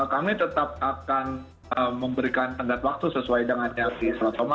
kami tetap akan memberikan pendat waktu sesuai dengan yaitu